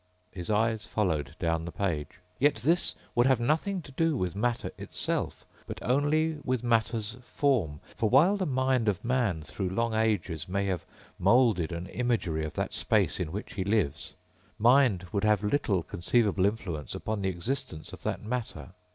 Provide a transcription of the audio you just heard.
_ His eyes followed down the page: _Yet this would have nothing to do with matter itself ... but only with matter's form. For while the mind of man through long ages may have moulded an imagery of that space in which he lives, mind would have little conceivable influence upon the existence of that matter.